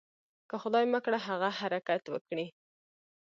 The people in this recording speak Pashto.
که خدای مه کړه هغه حرکت وکړي.